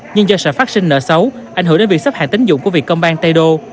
nhưng do sở phát sinh nợ xấu ảnh hưởng đến việc sắp hạ tính dụng của việc công ban tây đô